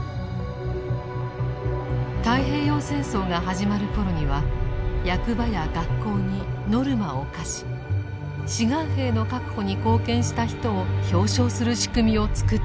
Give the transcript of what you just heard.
太平洋戦争が始まる頃には役場や学校にノルマを課し志願兵の確保に貢献した人を表彰する仕組みを作っていました。